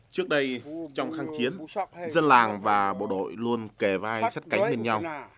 trước đây trong kháng chiến dân làng và bộ đội luôn kề vai sát cánh lên nhau